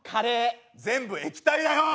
全部液体だよ！